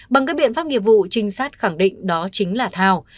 bằng các biện pháp nghiệp vụ trinh sát khẳng định đó chính là thao